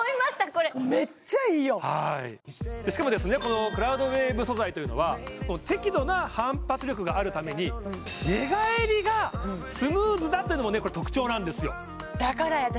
これはいしかもこのクラウドウェーブ素材というのは適度な反発力があるために寝返りがスムーズだっていうのも特徴なんですよだからや私